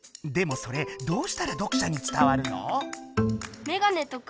でもそれどうしたら読者につたわるの？